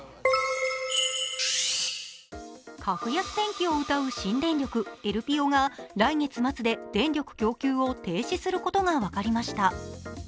格安電気をうたう新電力、エルピオは来月末で電力供給を停止することが分かりました。